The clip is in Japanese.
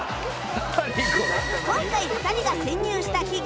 今回２人が潜入した企業は